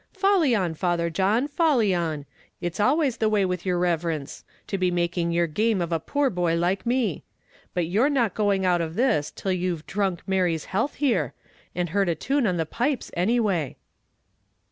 "Folly on, Father John, folly on; it's always the way with yer riverence to be making yer game of a poor boy like me! But you're not going out of this till you've dhrunk Mary's health here, and heard a tune on the pipes, any way."